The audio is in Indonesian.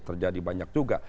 terjadi banyak juga